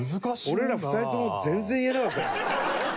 俺ら２人とも全然言えなかった。